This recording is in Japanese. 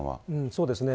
そうですね。